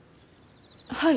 はい。